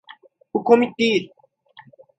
Bu komik değil!